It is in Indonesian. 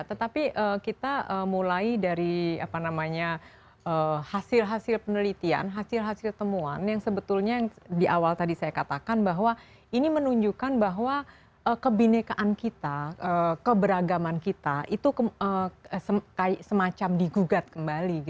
tetapi kita mulai dari hasil hasil penelitian hasil hasil temuan yang sebetulnya yang di awal tadi saya katakan bahwa ini menunjukkan bahwa kebinekaan kita keberagaman kita itu semacam digugat kembali